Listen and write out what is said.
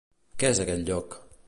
Què és aquest lloc?